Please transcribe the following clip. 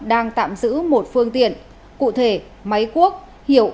có thể giữ một phương tiện cụ thể máy cuốc hiệu